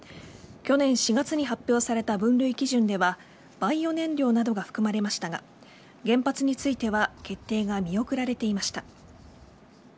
去年４月に発表された分類基準ではバイオ燃料などが含まれましたが原発については決定が見送られていました。